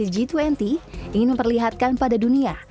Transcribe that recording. g dua puluh ingin memperlihatkan pada dunia